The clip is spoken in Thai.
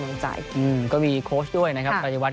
ก็จะเมื่อวันนี้ตอนหลังจดเกม